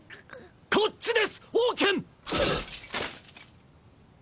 こっちですオウケン！